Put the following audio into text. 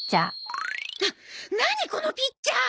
な何このピッチャー！